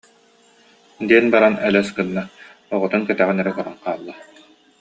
диэн баран элэс гынна, оҕотун кэтэҕин эрэ көрөн хаалла